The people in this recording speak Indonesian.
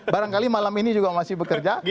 barangkali malam ini juga masih bekerja